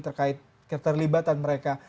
terkait keterlibatan mereka